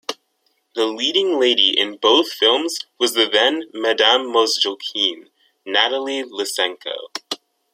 The leading lady in both films was the then-"Madame Mosjoukine", Nathalie Lissenko.